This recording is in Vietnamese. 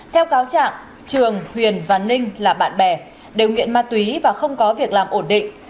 theo cáo trạng trường huyền và ninh là bạn bè đều nghiện ma túy và không có việc làm ổn định